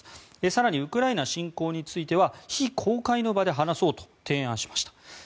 更に、ウクライナ侵攻については非公開の場で話そうと提案しました。